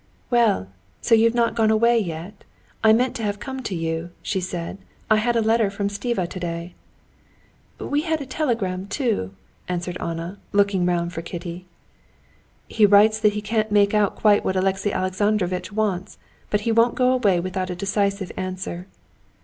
"Well, so you've not gone away yet? I meant to have come to you," she said; "I had a letter from Stiva today." "We had a telegram too," answered Anna, looking round for Kitty. "He writes that he can't make out quite what Alexey Alexandrovitch wants, but he won't go away without a decisive answer."